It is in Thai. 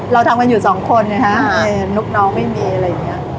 เราทำกันอยู่สองคนนะคะอ่านุ๊กน้องไม่มีอะไรอย่างเงี้ย